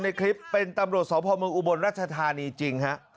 ในคลิปเป็นตำรวจสพเมืองอุบลรัชธานีจริงฮะ